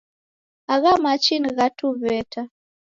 Agha machi ni gha Tuw'eta